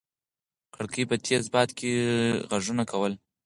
کړکۍ په تېز باد کې غږونه کول.